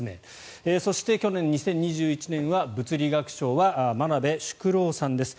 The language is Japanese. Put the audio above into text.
そして、去年２０２１年は物理学賞は真鍋淑郎さんです。